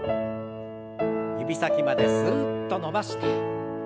指先まですっと伸ばして。